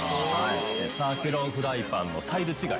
サーキュロンフライパンのサイズ違い。